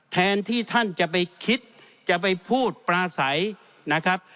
แทนที่ท่านจะไปคิดจะไปพูดปลาใสนะครับ